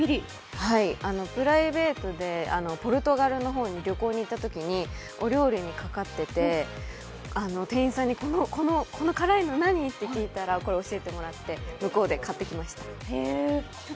プライベートでポルトガルの方に旅行に行ったときにお料理にかかってて、店員さんに、「この辛いの何？」って聞いたら教えてもらって、向こうで買ってきました。